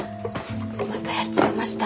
またやっちゃいました。